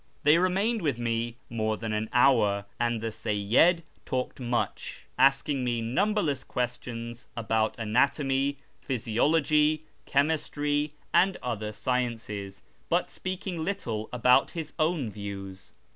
They remained with me more than an hour, and the Seyyid talked much, asking me numberless questions about anatomy, physiology, chemistry, and other sciences, but sj)eaking little about his own views.